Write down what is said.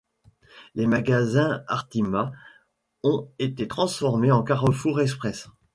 Les magasins Artima ont été transformés en Carrefour Express.